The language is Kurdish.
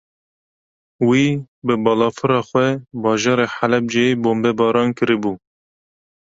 Wî, bi balafira xwe bajarê Helebceyê bombebaran kiribû